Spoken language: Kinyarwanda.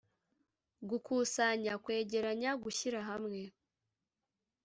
gukusanya: kwegeranya, gushyira hamwe